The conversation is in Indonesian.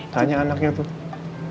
tanya anaknya tuh